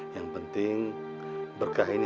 yang penting berkah ini